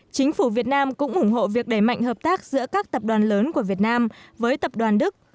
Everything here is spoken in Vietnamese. chính phủ việt nam cũng ủng hộ việc đẩy mạnh hợp tác giữa các tập đoàn lớn của việt nam với tập đoàn đức